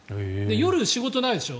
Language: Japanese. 夜、仕事がないでしょ。